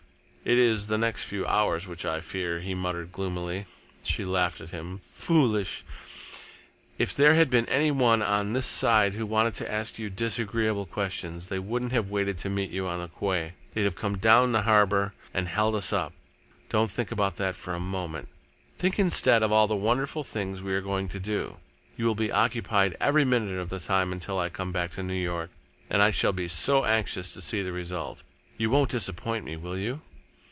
"It is the next few hours which I fear," he muttered gloomily. She laughed at him. "Foolish! If there had been any one on this side who wanted to ask you disagreeable questions, they wouldn't have waited to meet you on the quay. They'd have come down the harbour and held us up. Don't think about that for a moment. Think instead of all the wonderful things we are going to do. You will be occupied every minute of the time until I come back to New York, and I shall be so anxious to see the result. You won't disappoint me, will you?"